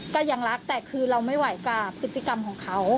ก็ยังรักแต่คือเราไม่ไหวกับพฤติกรรมของเขา